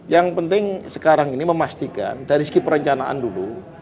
yang penting sekarang ini memastikan dari segi perencanaan dulu